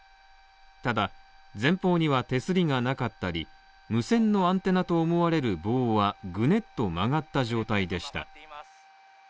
ただ、前方には手すりがなかったり、無線のアンテナと思われる棒はぐねっと曲がった状態でした。